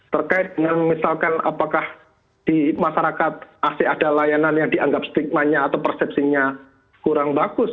terkait dengan misalkan apakah di masyarakat asli ada layanan yang dianggap stigmanya atau persepsinya kurang bagus